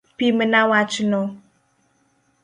Pimna wachno.